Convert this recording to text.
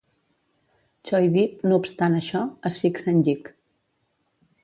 Choi-dip, no obstant això, es fixa en Yik.